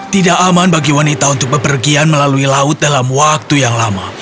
tidak aman bagi wanita untuk bepergian melalui laut dalam waktu yang lama